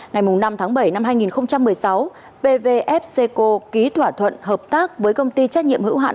ngày năm tháng bảy năm hai nghìn một mươi sáu pvfco ký thỏa thuận hợp tác với công ty trách nhiệm hữu hạn